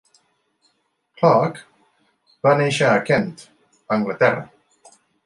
Clarke va néixer a Kent (Anglaterra).